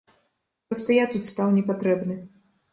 Проста я тут стаў не патрэбны.